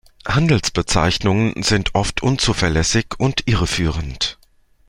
Handelsbezeichnungen sind oft unzuverlässig und irreführend.